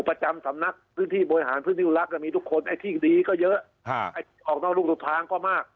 ประจำสำนักพื้นที่บริหารพื้นที่รักมีทุกคนที่ดีก็เยอะออกนอกลุ่มสุทธิ์พลางก็มาก